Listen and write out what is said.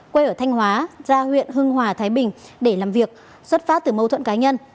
quê ở thanh hóa ra huyện hưng hòa thái bình để làm việc xuất phát từ mâu thuẫn cá nhân